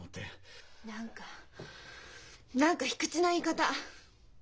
何か何か卑屈な言い方！